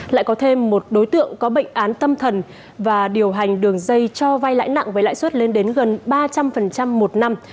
lại có thêm một đối tượng có bệnh án tâm thần và điều hành đường dây cho vai lãi nặng với lãi suất lên đến gần ba trăm linh một năm